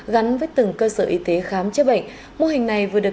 gắn với từng cơ sở y tế khám chữa bệnh mô hình này vừa được